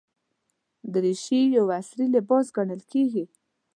دریشي یو عصري لباس ګڼل کېږي.